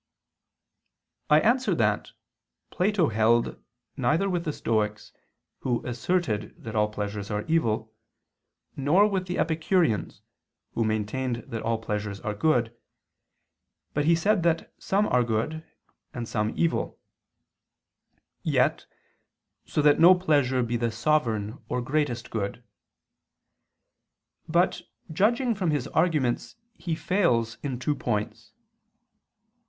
I answer that, Plato held neither with the Stoics, who asserted that all pleasures are evil, nor with the Epicureans, who maintained that all pleasures are good; but he said that some are good, and some evil; yet, so that no pleasure be the sovereign or greatest good. But, judging from his arguments, he fails in two points.